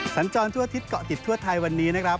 สัญจรทั่วอาทิตยเกาะติดทั่วไทยวันนี้นะครับ